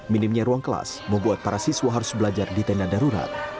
minimnya ruang kelas membuat para siswa harus belajar di tenda darurat